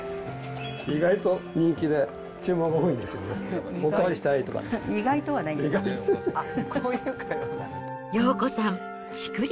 意外と人気で、注文が多いんですよね。